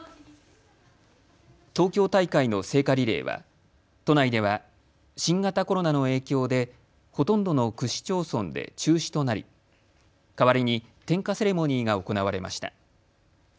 東京大会の聖火リレーは都内では新型コロナの影響でほとんどの区市町村で中止となり代わりに点火セレモニーが行われました。